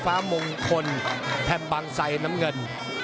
ฟ้ามงคนแท่มบังไซด์น้ำเงิน